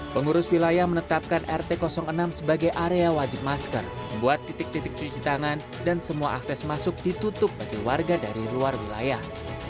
pengurus wilayah menetapkan rt enam sebagai area wajib masker membuat titik titik cuci tangan dan semua akses masuk ditutup bagi warga dari luar wilayah